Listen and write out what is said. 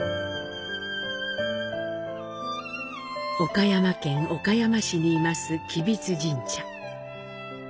岡山県岡山市に坐す吉備津神社。